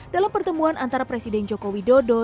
dalam pertemuan antara presiden joko widodo